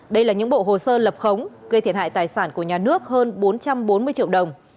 đây là những bộ hồ sơ lập khống gây thiệt hại tài sản của nhà nước hơn bốn trăm bốn mươi triệu đồng